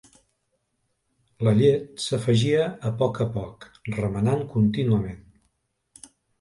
La llet s'afegia a poc a poc remenant contínuament.